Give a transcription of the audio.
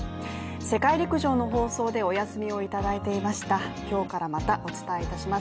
世界陸上の放送でお休みをいただいていました今日からまたお伝えいたします。